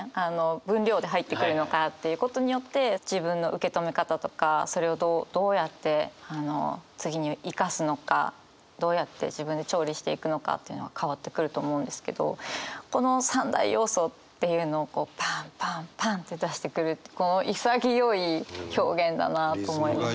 分量で入ってくるのかということによって自分の受け止め方とかそれをどうどうやって次に生かすのかどうやって自分で調理していくのかというのは変わってくると思うんですけどこの３大要素っていうのをこうパンパンパンって出してくるって潔い表現だなと思います。